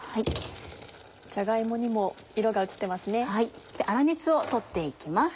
じゃが芋にも色が移ってますね。